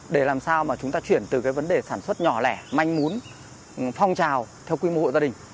để làm sao mà chúng ta chuyển từ cái vấn đề sản xuất nhỏ lẻ manh mún phong trào theo quy mô hộ gia đình